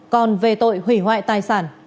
còn về tội hủy hoại tài sản